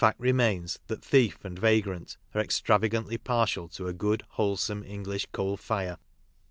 ct remains that thief and vagrant are extravagantly partial to a good, wholesome, English coal fire.